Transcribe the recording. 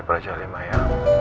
praja lima ya